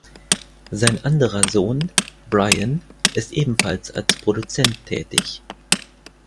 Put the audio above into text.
Sein anderer Sohn, Brian, ist ebenfalls als Produzent tätig.